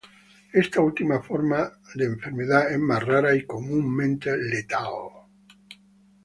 Esta última forma de enfermedad es más rara y comúnmente letal.